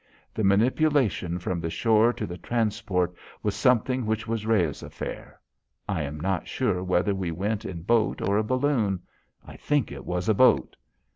The manipulation from the shore to the transport was something which was Rhea's affair. I am not sure whether we went in a boat or a balloon. I think it was a boat.